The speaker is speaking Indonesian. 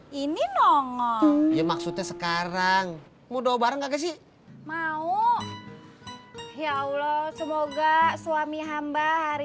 hai ini nongol maksudnya sekarang muda bareng gak sih mau ya allah semoga suami hamba hari